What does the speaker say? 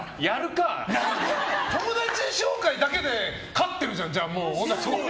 じゃあ友達紹介だけで勝ってるじゃん。